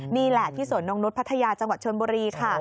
นี่แหละที่สวนนกนุษย์พัทยาจังหวัดชนบุรีค่ะ